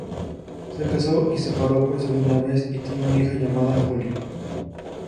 Se casó y separó por segunda vez y tiene una hija llamada Holly.